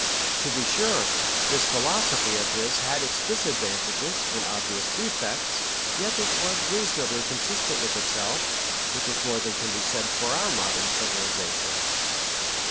To be sure, this philosophy of his had its disadvantages and obvious defects, yet it was reasonably consistent with itself, which is more than can be said for our modern civilization.